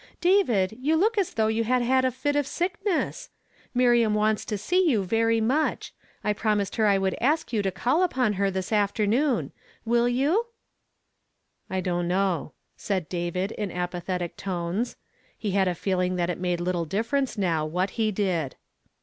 David, you look as though you had had a fit of sickness ! Miriam wants to see you very much. I promised her I would ask you to call upon her this after noon. Will you ?" "I don't know," said David, in apathetic tones ; he had a feeling that it made little difference now, what he did.